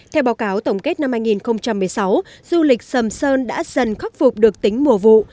theo báo cáo tổng kết năm hai nghìn một mươi sáu du lịch sầm sơn đã dần khắc phục được tính mùa vụ